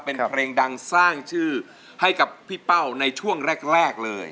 เป็นเพลงดังสร้างชื่อให้กับพี่เป้าในช่วงแรกเลย